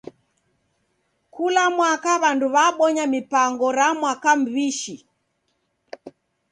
Kula mwaka w'andu w'abonya mipango ra Mwaka M'bishi.